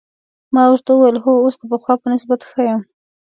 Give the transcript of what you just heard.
ما ورته وویل: هو، اوس د پخوا په نسبت ښه یم.